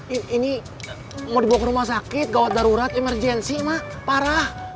ini mau dibawa ke rumah sakit gawat darurat emergensi mah parah